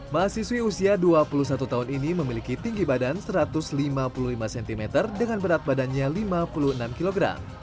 mahasiswi usia dua puluh satu tahun ini memiliki tinggi badan satu ratus lima puluh lima cm dengan berat badannya lima puluh enam kg